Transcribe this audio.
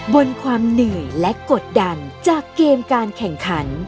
บนความเหนื่อยและกดดันจากเกมการแข่งขัน